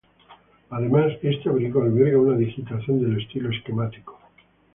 Además este abrigo alberga una digitación del estilo esquemático.